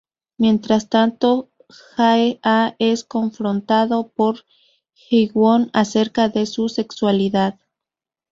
Mientras tanto, Jae-ha es confrontado por Hee-won acerca de su sexualidad.